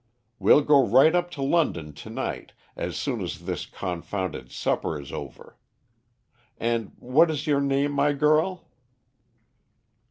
We'll go right up to London to night, as soon as this confounded supper is over. And what is your name, my girl?"